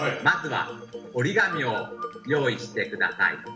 まずは折り紙を用意して下さい。